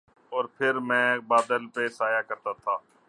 اور پھر میں بادل پہ سایہ کرتا تھا